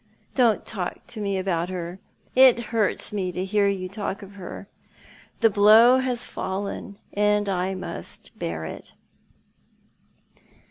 Don't talk to me about her. It hurts me to hear you talk of her. The blow has fallen, and I must bear it."